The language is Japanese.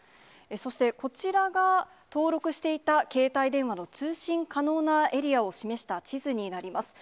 そして、こちらが登録していた携帯電話の通信可能なエリアを示した地図になります。